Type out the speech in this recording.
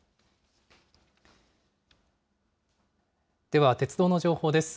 では、鉄道の情報です。